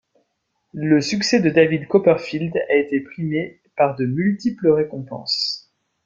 Le succès de David Copperfield a été primé par de multiples récompenses.